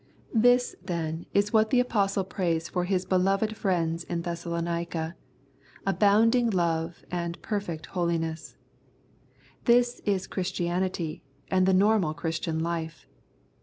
This, then, is what the Apostle prays for 12 Grace and Holiness his beloved friends in Thessalonica — abound ing love and perfect holiness. This is Chris tianity and the normal Christian life.